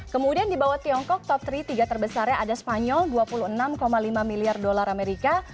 kemudian di bawah tiongkok top tiga terbesarnya ada spanyol dua puluh enam lima miliar dolar amerika